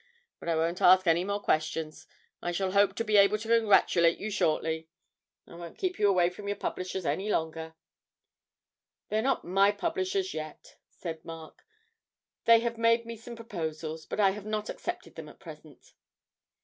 But I won't ask any more questions. I shall hope to be able to congratulate you shortly. I won't keep you away from your publishers any longer.' 'They are not my publishers yet,' said Mark; 'they have made me some proposals, but I have not accepted them at present.'